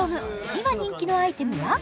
今人気のアイテムは？